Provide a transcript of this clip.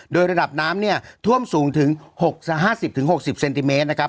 โดยระดับน้ำเนี่ยท่วมสูงถึง๕๐๖๐เซนติเมตรนะครับ